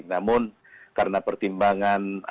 namun karena pertimbangan